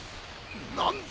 何だ？